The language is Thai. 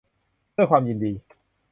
ด้วยความยินดี